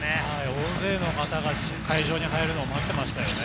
大勢の方が会場に入るの待っていましたよね。